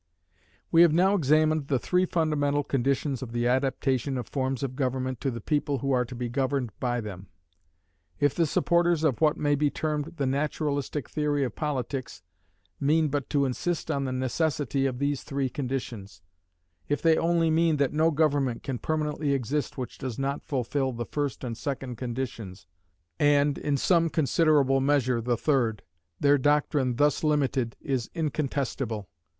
We have now examined the three fundamental conditions of the adaptation of forms of government to the people who are to be governed by them. If the supporters of what may be termed the naturalistic theory of politics, mean but to insist on the necessity of these three conditions; if they only mean that no government can permanently exist which does not fulfill the first and second conditions, and, in some considerable measure, the third; their doctrine, thus limited, is incontestable.